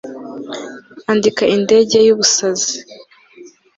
Andika indege yubusazi